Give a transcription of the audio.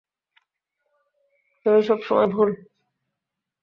তুমি সবসময় ভুল।